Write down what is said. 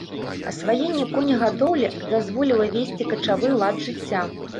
Асваенне конегадоўлі дазволіла весці качавы лад жыцця.